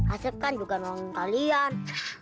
asap kan juga orang kalian